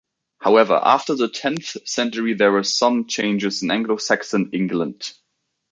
However, after the tenth century there were some changes in Anglo-Saxon England.